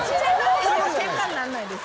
ケンカにならないです。